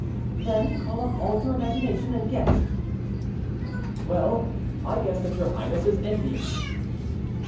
"Then call up all your imagination, and guess." "Well! I guess that your highness is envious."